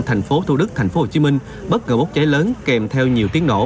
thành phố thủ đức thành phố hồ chí minh bất ngờ bốc cháy lớn kèm theo nhiều tiếng nổ